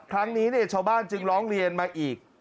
ครั้งนี้ชาวบ้านจึงร้องเรียนมาอีก